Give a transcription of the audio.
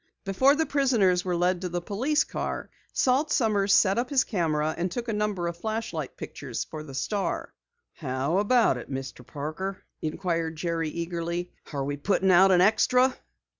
Before the prisoners were led to the police car, Salt Sommers set up his camera and took a number of flashlight pictures for the Star. "How about it, Mr. Parker?" inquired Jerry eagerly. "Are we putting out an extra?"